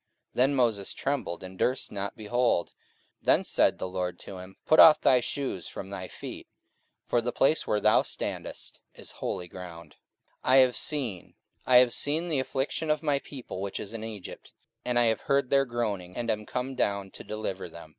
Then Moses trembled, and durst not behold. 44:007:033 Then said the Lord to him, Put off thy shoes from thy feet: for the place where thou standest is holy ground. 44:007:034 I have seen, I have seen the affliction of my people which is in Egypt, and I have heard their groaning, and am come down to deliver them.